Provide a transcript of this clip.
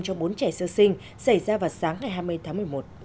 cho bốn trẻ sơ sinh xảy ra vào sáng ngày hai mươi tháng một mươi một